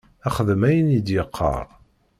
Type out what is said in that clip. Xdem ayen i d-yeqqar!